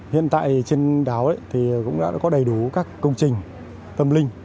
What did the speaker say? hiện tại trên đảo thì cũng đã có đầy đủ các công trình tâm linh